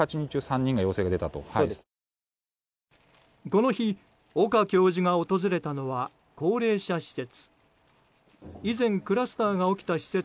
この日、岡教授が訪れたのは高齢者施設。